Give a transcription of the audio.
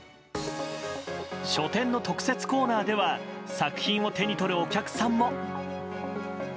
書店の特設コーナーでは作品を手に取るお客さんも。